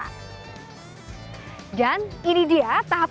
dan warna hijau untuk dprd kabupaten provinsi